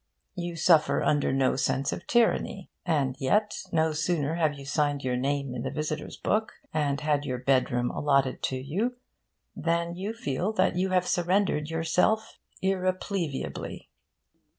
You suffer under no sense of tyranny. And yet, no sooner have you signed your name in the visitors' book, and had your bedroom allotted to you, than you feel that you have surrendered yourself irrepleviably.